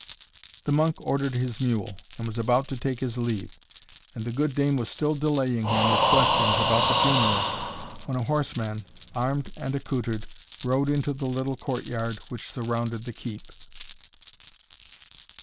The monk ordered his mule, and was about to take his leave; and the good dame was still delaying him with questions about the funeral, when a horseman, armed and accoutred, rode into the little court yard which surrounded the Keep.